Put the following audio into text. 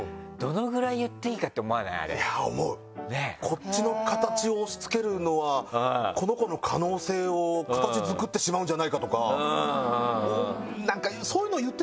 こっちの形を押し付けるのはこの子の可能性を形作ってしまうんじゃないかとか。